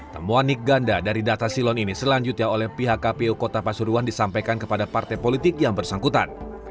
temuan nik ganda dari data silon ini selanjutnya oleh pihak kpu kota pasuruan disampaikan kepada partai politik yang bersangkutan